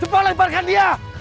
cepatlah lepaskan dia